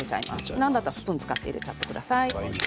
なんだったらスプーンを使って入れてください。